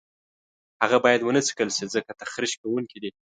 هغه باید ونه څکل شي ځکه تخریش کوونکي دي.